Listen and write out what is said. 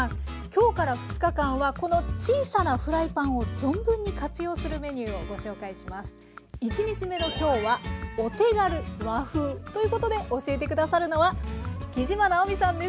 今日から２日間はこの小さなフライパンを存分に活用するメニューをご紹介します。ということで教えて下さるのは杵島直美さんです。